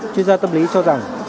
chuyên gia tâm lý cho rằng